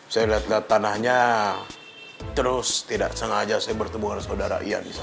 saya liat liat tanahnya terus tidak sengaja saya bertemu dengan saudara ian di sana